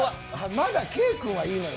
まだ圭君はいいのよ。